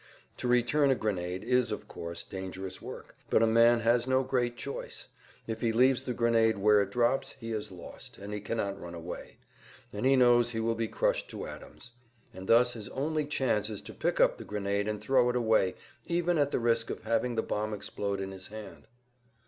To return a grenade is of course dangerous work, but a man has no great choice; if he leaves the grenade where it drops he is lost, as he cannot run away; and he knows he will be crushed to atoms, and thus his only chance is to pick up the grenade and throw it away even at the risk of having the bomb explode in his hand.